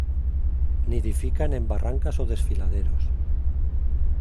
Nidifican en barrancas o desfiladeros.